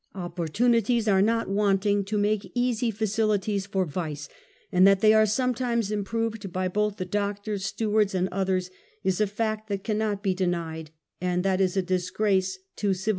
Opportunities are not wanting to make easy facil ities for vice, and that they are sometimes improved by both the doctors, stewards and others is a fact that cannot be denied, and that is a disgrace to civ SOCIAL EVIL.